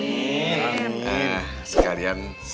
sekalian saya dan teman teman juga yang di luar mohon pamit bu